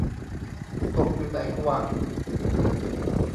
ตกอยู่ในภวังค์